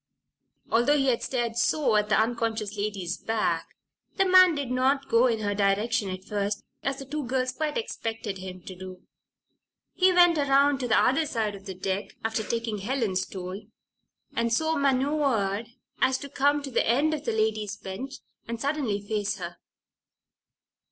Although he had stared so at the unconscious lady's back, the big man did not go in her direction at first, as the two girls quite expected him to do. He went around to the other side of the deck after taking Helen's toll, and so manoeuvred as to come to the end of the lady's bench and suddenly face her.